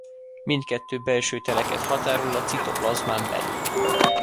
Mindkettő belső tereket határol el a citoplazmán belül.